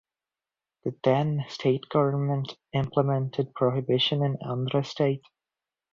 The then state government implemented prohibition in Andhra State.